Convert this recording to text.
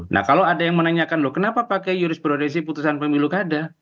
nah kalau ada yang menanyakan loh kenapa pakai jurisprodisi putusan pemilu kada